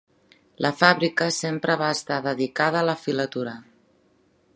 La fàbrica sempre va estar dedicada a la filatura.